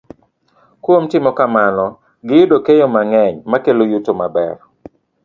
Kuom timo kamano, giyudo keyo mang'eny makelo yuto maber.